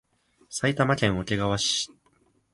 埼玉県桶川市